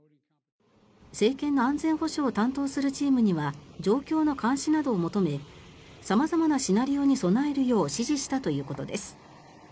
政権の安全保障を担当するチームには状況の監視などを求め様々なシナリオに備えるよう指示したということです。